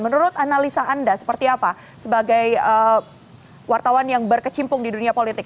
menurut analisa anda seperti apa sebagai wartawan yang berkecimpung di dunia politik